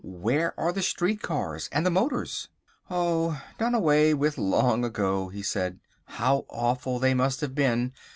"Where are the street cars and the motors?" "Oh, done away with long ago," he said; "how awful they must have been.